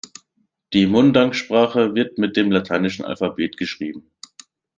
Die Mundang-Sprache wird mit dem lateinischen Alphabet geschrieben.